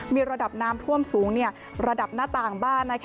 มีระดับน้ำท่วมสูงระดับหน้าต่างบ้าน